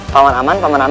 pak man sudah siap